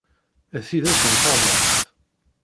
D tidet n teɣmert.